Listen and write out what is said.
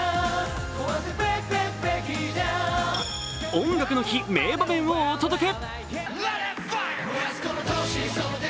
「音楽の日」、名場面をお届け。